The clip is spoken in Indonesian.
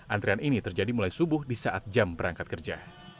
antrian ini terjadi mulai subuh di saat jam berangkat kerja